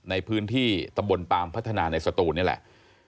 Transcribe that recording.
ในพื้นที่ตำบลปามพัฒนาในสตูนนี่แหละ